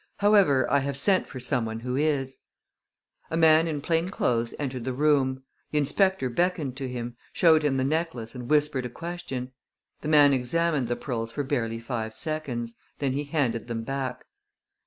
However, I have sent for some one who is." A man in plain clothes entered the room. The inspector beckoned to him, showed him the necklace and whispered a question. The man examined the pearls for barely five seconds. Then he handed them back.